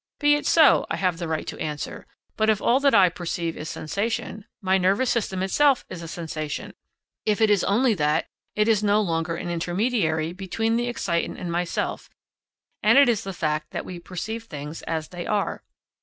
Be it so, I have the right to answer; but if all that I perceive is sensation, my nervous system itself is a sensation; if it is only that, it is no longer an intermediary between the excitant and myself, and it is the fact that we perceive things as they are.